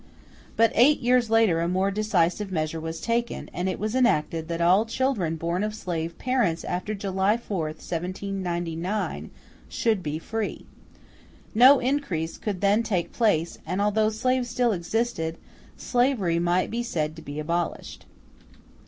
But eight years later a more decisive measure was taken, and it was enacted that all children born of slave parents after July 4, 1799, should be free. No increase could then take place, and although slaves still existed, slavery might be said to be abolished.